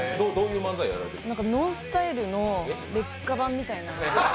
ＮＯＮＳＴＹＬＥの劣化版みたいな。